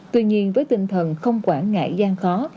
tuy nhiên với tinh thần không quản ngại gian khó